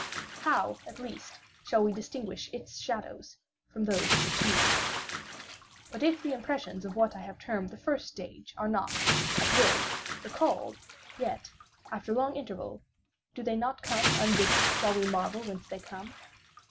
How at least shall we distinguish its shadows from those of the tomb? But if the impressions of what I have termed the first stage are not, at will, recalled, yet, after long interval, do they not come unbidden, while we marvel whence they come?